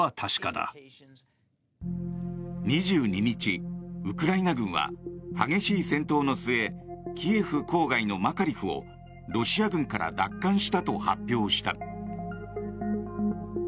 ２２日、ウクライナ軍は激しい戦闘の末キエフ郊外のマカリフをロシア軍から奪還したと発表した。